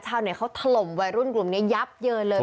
ชาวเน็ตเขาถล่มวัยรุ่นกลุ่มนี้ยับเยินเลย